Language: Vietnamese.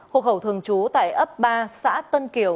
hồ hậu thường chú tại ấp ba xã tân kiều